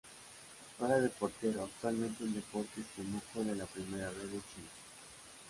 Juega de portero, actualmente en Deportes Temuco de la Primera B de Chile.